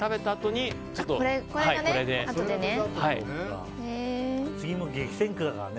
厚木も激戦区だからね。